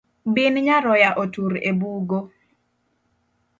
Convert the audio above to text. Bin nyaroya otur e bugo.